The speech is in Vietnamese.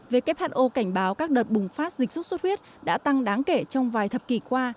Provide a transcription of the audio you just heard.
who cảnh báo các đợt bùng phát dịch sốt xuất huyết đã tăng đáng kể trong vài thập kỷ qua